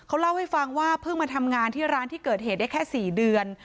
เขาเล่าให้ฟังว่าเพิ่งมาทำงานที่ร้านที่เกิดเหตุได้แค่๔เดือน